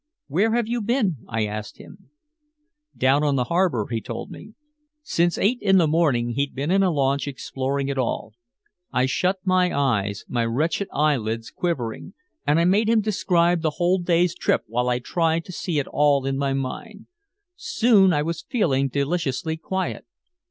"'Where have you been?' I asked him. "'Down on the harbor,' he told me. Since eight in the morning he'd been in a launch exploring it all. I shut my eyes my wretched eyelids quivering and I made him describe the whole day's trip while I tried to see it all in my mind. Soon I was feeling deliciously quiet.